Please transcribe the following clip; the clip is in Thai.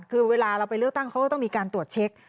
คือเวลาเราไปเลือกตั้งเขาก็ต้องมีการตรวจเช็ค